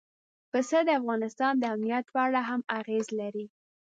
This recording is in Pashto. پسه د افغانستان د امنیت په اړه هم اغېز لري.